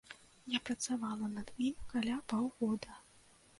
Я працавала над ім каля паўгода.